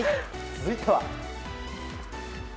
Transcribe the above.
続いては。